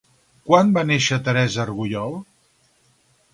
Quan va néixer Teresa Arguyol?